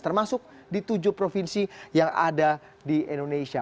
termasuk di tujuh provinsi yang ada di indonesia